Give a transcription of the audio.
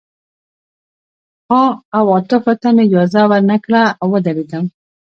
خو عواطفو ته مې اجازه ور نه کړه او ودېردم